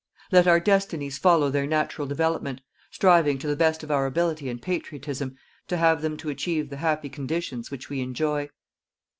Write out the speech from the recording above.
Let our destinies follow their natural development, striving to the best of our ability and patriotism to have them to achieve the happy conditions which we enjoy.